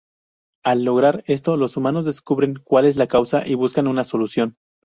Al lograr esto los humanos descubren cuál es la causa y buscan una solución.